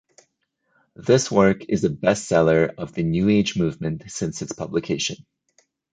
This work is a best seller of the New Age Movement since its publication.